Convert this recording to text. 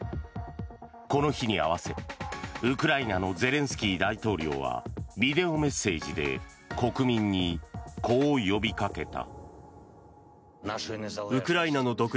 この日に合わせ、ウクライナのゼレンスキー大統領はビデオメッセージで国民にこう呼びかけた。